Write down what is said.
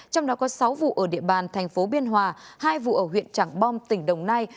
trong đó có sáu vụ ở địa bàn thành phố biên hòa hai vụ ở huyện trảng bom tỉnh đồng nai